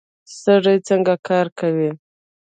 سږي څنګه کار کوي؟